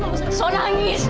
kamu bisa selangis